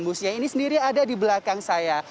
busnya ini sendiri ada di belakang saya